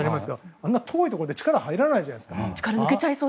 あんなに遠いところって力が入らないじゃないですか。